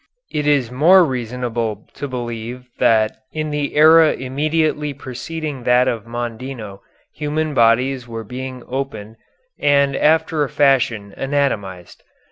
It is more reasonable to believe that in the era immediately preceding that of Mondino human bodies were being opened and after a fashion anatomized.